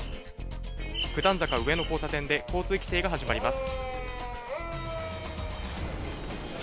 九段坂上の交差点で交通規制が始まります。